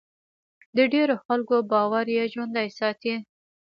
د ډېرو خلکو باور یې ژوندی ساتي.